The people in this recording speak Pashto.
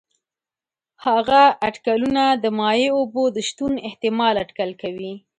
هغه اټکلونه د مایع اوبو د شتون احتمال اټکل کوي.